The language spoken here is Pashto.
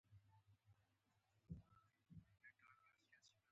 هندوانه د نارینهوو او ښځینهوو دواړو خوښه ده.